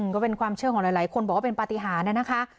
ก็เป็นความเชื่อของหลายคนบอกว่าเป็นปฏิหารนะคะ